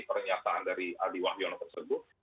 pernyataan dari adi wahyono tersebut